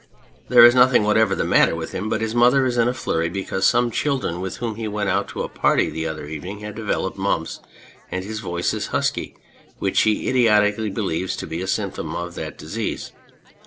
There is nothing whatever the matter with him, but his mother is in a flurry, because some children with whom he went out to a party the other evening have developed mumps, and his voice is husky, which she idiotically believes to be a symptom of that disease.